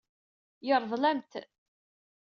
Yeṛḍel-am-t.